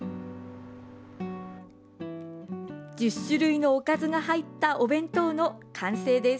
１０種類のおかずが入ったお弁当の完成です。